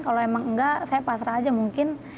kalau emang enggak saya pasrah aja mungkin